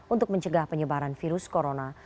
untuk mencegah penyebaran virus corona